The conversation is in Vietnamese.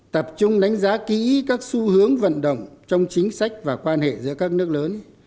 tập trung đánh giá kỹ các xu hướng vận động trong chính sách và quan hệ giữa các nước lớn